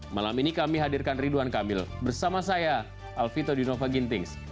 malam ini kami hadirkan ridwan kamil bersama saya alvito dinova gintings